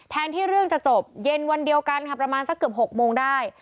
ที่เรื่องจะจบเย็นวันเดียวกันค่ะประมาณสักเกือบ๖โมงได้